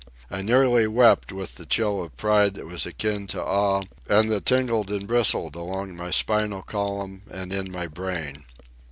I nearly wept with the chill of pride that was akin to awe and that tingled and bristled along my spinal column and in my brain.